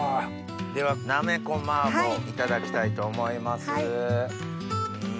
ではなめこ麻婆いただきたいと思います。